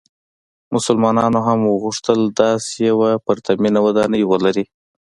مسلمانانو هم وغوښتل داسې یوه پرتمینه ودانۍ ولري.